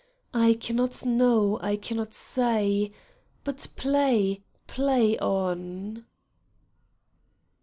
I cannot know. I cannot say. But play, play on.